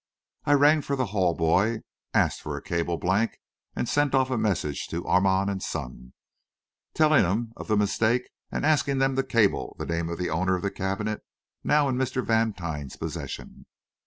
I rang for the hall boy, asked for a cable blank, and sent off a message to Armand & Son, telling them of the mistake and asking them to cable the name of the owner of the cabinet now in Mr. Vantine's possession.